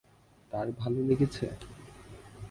তার ভালো লেগেছে?